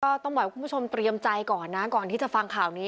ต้องบอกให้คุณผู้ชมเตรียมใจก่อนนะก่อนที่จะฟังข่าวนี้